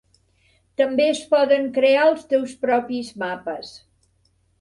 També es poden crear els teus propis mapes.